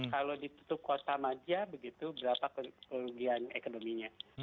kalau ditutup kota maja begitu berapa kerugian ekonominya